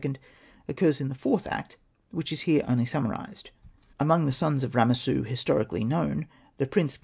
occurs in the fourth act which is here only sum marised. Among the sons of Ramessu his torically known, the Prince Kha.